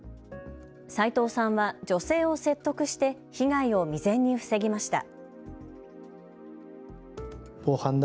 齋藤さんは女性を説得して被害を未然に防ぎました。